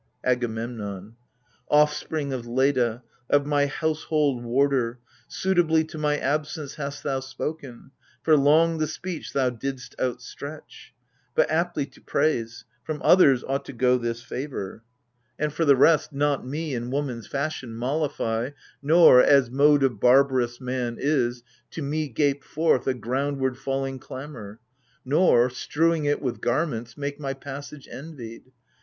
AGAMEMNON. Offspring of Leda, of my household warder, Suitably to my absence hast thou spoken, For long the speech thou didst outstretch ! But aptly To praise — from others ought to go this favour. 74 AGAMEMNON. And for the rest, — not me, in woman's fashion, Mollify, nor — as mode of barbarous man is — To me gape forth a groimdward falling clamour ! Nor, strewing it with garments, make my passage Envied